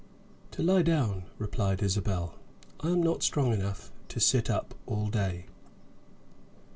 "To lie down," replied Isabel. "I am not strong enough to sit up all day."